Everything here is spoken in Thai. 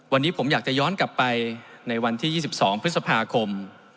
วันนี้ผมอยากจะย้อนกลับไปในวันที่๒๒พฤษภาคม